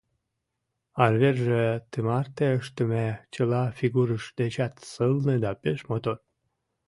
Арверже тымарте ыштыме чыла фигурыж дечат сылне да пеш мотор.